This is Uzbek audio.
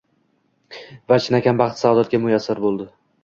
va chinakam baxt-saodatga muyassar bo‘ldi.